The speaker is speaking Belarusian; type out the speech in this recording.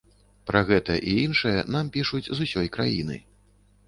Пра гэта і іншае нам пішуць з усёй краіны.